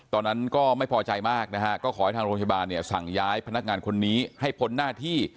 ตอนนั้นก็ไม่พอใจมากนะฮะก็ขอให้ทางโรงพยาบาลเนี่ยสั่งย้ายพนักงานคนนี้ให้พ้นหน้าที่